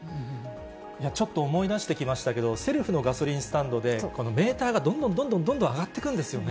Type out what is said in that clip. ちょっと思い出してきましたけど、セルフのガソリンスタンドで、このメーターがどんどんどんどん上がってくんですよね。